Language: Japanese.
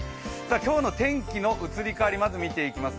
今日の天気の移り変わりを見ていきます。